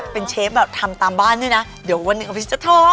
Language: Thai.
เป็นเชฟแบบทำตามบ้านด้วยนะเดี๋ยววันหนึ่งออฟฟิศจะท้อ